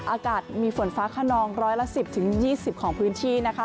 อากาศมีฝนฟ้าขนองร้อยละ๑๐๒๐ของพื้นที่นะคะ